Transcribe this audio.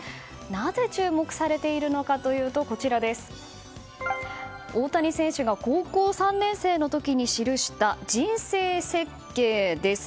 なぜ注目されているのかというと大谷選手が高校３年生の時に記した人生設計です。